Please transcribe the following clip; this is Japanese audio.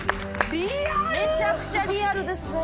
めちゃくちゃリアルですね。